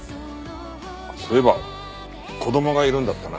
あっそういえば子供がいるんだったな。